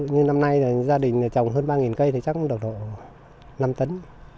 như năm nay gia đình trồng hơn ba cây thì chắc độ năm tấn